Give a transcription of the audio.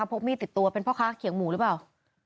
เอามีที่พกติดตัวเป็นเพราะค้าเขียงหมูหรือเปล่า